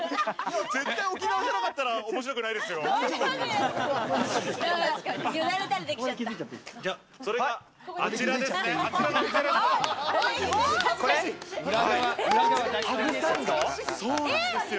絶対沖縄じゃなかったら面白くないですよ。